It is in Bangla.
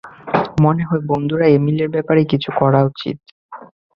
মনে হয়, বন্ধুরা, এমিলের ব্যাপারে কিছু করা উচিৎ।